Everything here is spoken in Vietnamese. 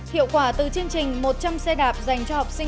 hiệu quả từ chương trình một trăm linh xe đạp dành cho học sinh